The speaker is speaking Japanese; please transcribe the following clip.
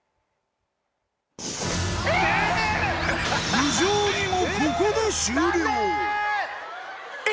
無情にもここで終了え